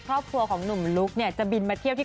คุณผู้ชมส่วนปีนี้คุณผู้ชมส่วนปีนี้